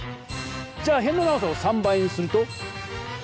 じゃあへんの長さを３倍にすると？